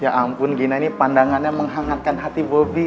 ya ampun gina ini pandangannya menghangatkan hati bobby